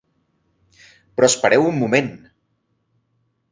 Però espereu un moment!